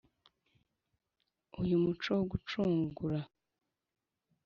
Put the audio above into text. Uyu muco wo gucungura